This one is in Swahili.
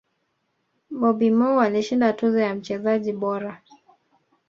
bobby Moore alishinda tuzo ya mchezaji bora